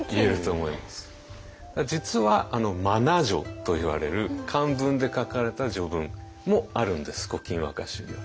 実は真名序といわれる漢文で書かれた序文もあるんです「古今和歌集」には。